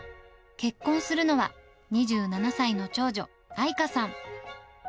結婚するのは、２７歳の長女、あいかさん。